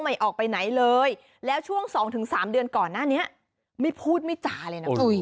ไม่ออกไปไหนเลยแล้วช่วง๒๓เดือนก่อนหน้านี้ไม่พูดไม่จ่าเลยนะ